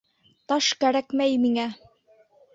Таш кәрәкмәй миңә.